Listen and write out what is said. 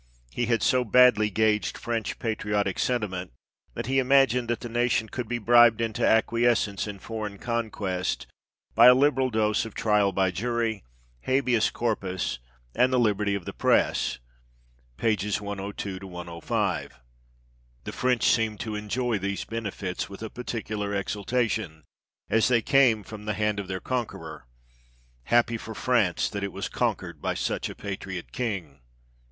He had so badly gauged French patriotic sentiment, that he imagined that the nation could be bribed into acquiescence in foreign conquest by a liberal dose of trial by jury, habeas corpus, and the liberty of the press (pp. 102 105). " The French seemed to enjoy these benefits with a particular exul tation, as they came from the hand of their conqueror ; happy for France, that it was conquered by such a patriot King